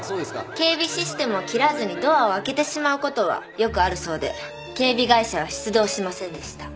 警備システムを切らずにドアを開けてしまうことはよくあるそうで警備会社は出動しませんでした。